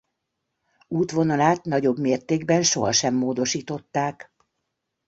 Útvonalát nagyobb mértékben soha sem módosították.